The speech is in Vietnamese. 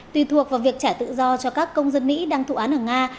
tùy thuộc vào việc trả tự do cho các công dân mỹ đang thụ án ở nga